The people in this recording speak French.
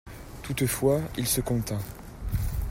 Toutefois il se contint.